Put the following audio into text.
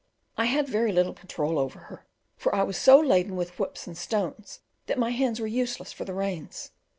I had very little control over her, for I was so laden with whips and stones that my hands were useless for the reins.